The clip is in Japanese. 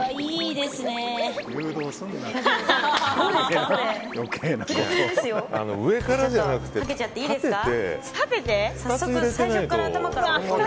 それではかけちゃっていいですか。